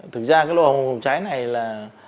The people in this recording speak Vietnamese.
thực ra cái lộ hống về phòng cháy này là